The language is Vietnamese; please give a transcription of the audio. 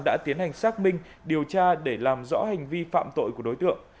đã tiến hành xác minh điều tra để làm rõ hành vi phạm tội của đối tượng